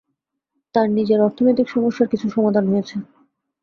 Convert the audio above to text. তাঁর নিজের অর্থনৈতিক সমস্যার কিছুটা সমাধান হয়েছে।